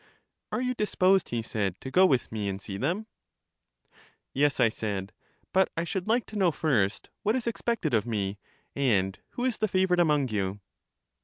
Are you disposed, he said, to go with me and see them? Yes, I said; but I should like to know first, what is expected of me, and who is the favorite among you.